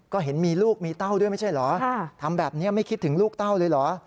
ก็เห็นมีลูกมีเต้าด้วยไม่ใช่เหรอทำแบบนี้ไม่คิดถึงลูกเต้าเลยเหรอ